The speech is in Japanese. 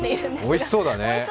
おいしそうだね。